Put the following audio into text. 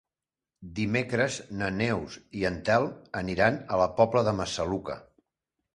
Dimecres na Neus i en Telm aniran a la Pobla de Massaluca.